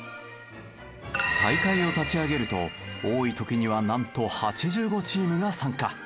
大会を立ち上げると多い時にはなんと８５チームが参加。